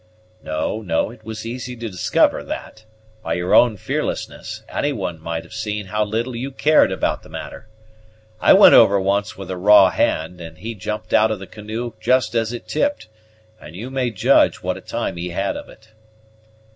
"No, no, it was easy to discover that; by your own fearlessness, any one might have seen how little you cared about the matter. I went over once with a raw hand, and he jumped out of the canoe just as it tipped, and you many judge what a time he had of it."